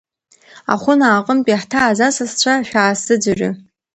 Ахәынааҟынтәи иаҳҭааз ҳасасцәа шәаасзыӡырҩы!